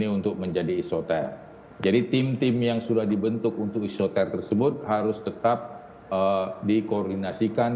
ini semua kita koordinasikan